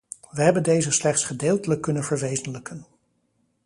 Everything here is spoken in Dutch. Wij hebben deze slechts gedeeltelijk kunnen verwezenlijken.